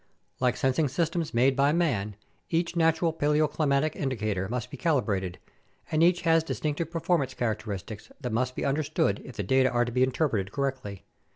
Like sensing systems made by man, each natural paleoclimatic indicator must be calibrated, and each has distinctive performance characteristics that must be understood if the data are to be interpreted correctly.